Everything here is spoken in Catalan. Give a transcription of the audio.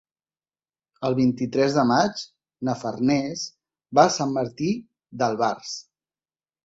El vint-i-tres de maig na Farners va a Sant Martí d'Albars.